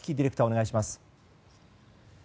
お願いします。